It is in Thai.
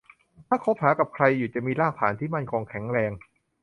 ถ้าคบหากับใครอยู่จะมีรากฐานที่มั่นคงแข็งแรง